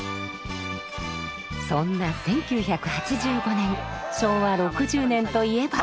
そんな１９８５年昭和６０年といえば。